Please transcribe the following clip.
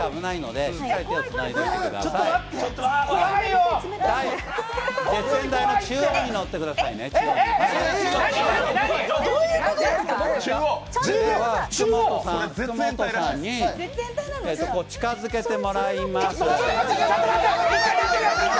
今から福本さんに近づけてもらいます。